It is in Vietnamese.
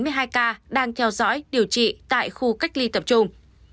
những ca đang theo dõi điều trị tại khu cách ly tập trung